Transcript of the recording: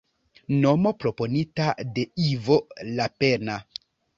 Nomo proponita de Ivo Lapenna.